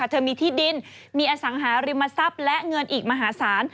เธอมีที่ดินมีอสังหาริมทรัพย์และเงินอีกมหาศาล